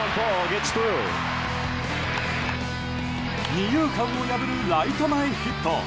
二遊間を破るライト前ヒット。